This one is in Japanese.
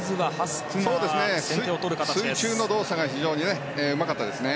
水中の動作が非常にうまかったですね。